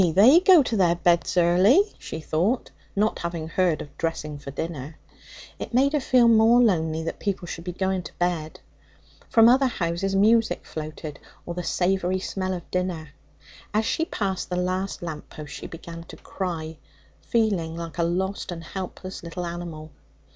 they go to their beds early,' she thought, not having heard of dressing for dinner. It made her feel more lonely that people should be going to bed. From other houses music floated, or the savoury smell of dinner. As she passed the last lamp post she began to cry, feeling like a lost and helpless little animal.